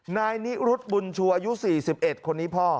นายนิรุธบุญชูอายุ๔๑คนนี้พ่อ